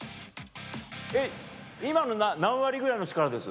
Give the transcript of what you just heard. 今の何割ぐらいの力です？